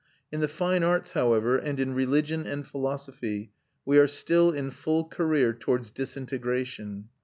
In the fine arts, however, and in religion and philosophy, we are still in full career towards disintegration.